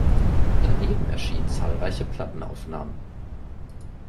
Daneben erschienen zahlreiche Plattenaufnahmen.